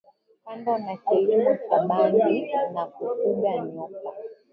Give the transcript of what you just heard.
Kando na kilimo cha bangi na kufuga nyoka